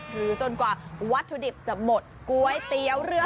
จนกว่าวัตถุดิบจะหมดก๋วยเตี๋ยวเรือ